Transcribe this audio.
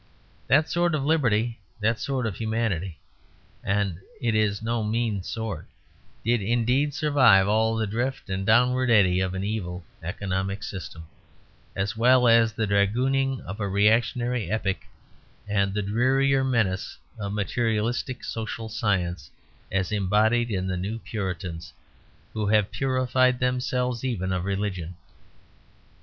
That sort of liberty, that sort of humanity, and it is no mean sort, did indeed survive all the drift and downward eddy of an evil economic system, as well as the dragooning of a reactionary epoch and the drearier menace of materialistic social science, as embodied in the new Puritans, who have purified themselves even of religion.